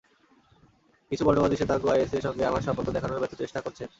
কিছু বর্ণবাদী শ্বেতাঙ্গ আইএসের সঙ্গে আমার সম্পর্ক দেখানোর ব্যর্থ চেষ্টা করছেন।